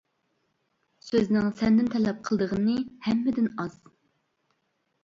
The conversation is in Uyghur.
سۆزنىڭ سەندىن تەلەپ قىلىدىغىنى ھەممىدىن ئاز.